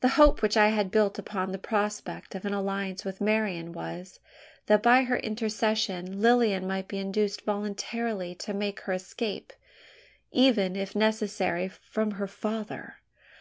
The hope which I had built upon the prospect of an alliance with Marian was, that by her intercession Lilian might be induced voluntarily to make her escape even, if necessary, from her father!